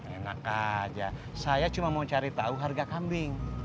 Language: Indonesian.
enak aja saya cuma mau cari tahu harga kambing